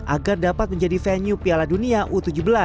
agar dapat menjadi venue piala dunia u tujuh belas